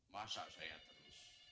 masa saya terus